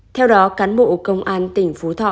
theo đó cán bộ công an tỉnh phú thọ